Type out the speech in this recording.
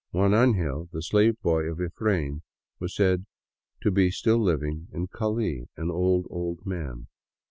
" Juan Angel," the slave boy of " Efrain," was said to be still living in Cali, an old, old man.